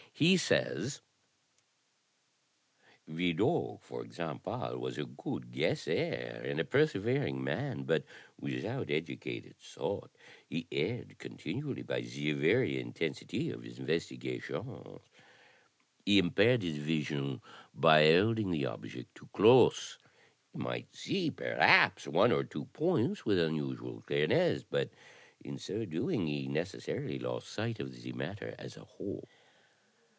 He says: Vidocq, for example, was a good guesser, and a persevering man. But without educated thought, he erred continually by the very intensity of his investigations. He impaired his vision by holding the object too close. He might see, perhaps, one or two points with unusual clearness, but in so doing he necessarily lost sight of the matter as a whole."